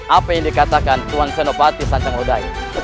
apa yang dikatakan tuan senopati sacangodaya